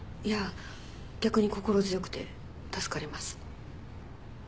逆に心強くて助かります。